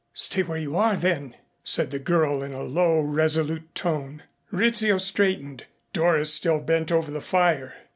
'"] "Stay where you are, then," said the girl in a low resolute tone. Rizzio straightened. Doris still bent over the fire.